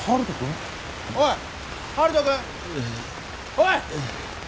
おい！